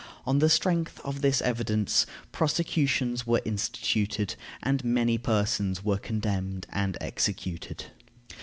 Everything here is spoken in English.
On the strength of this evidence prosecutions were instituted, and many persons were condemned and executed.